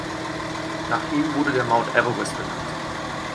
Nach ihm wurde der Mount Everest benannt.